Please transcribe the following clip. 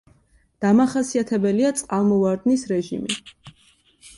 დამახასიათებელია წყალმოვარდნის რეჟიმი.